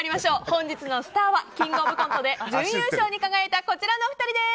本日のスターは「キングオブコント」で準優勝に輝いたこちらのお二人です。